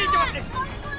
kau tak mau berdua